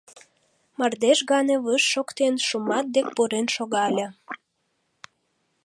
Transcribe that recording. Мардеж гане выж шоктен, Шумат дек пурен шогале.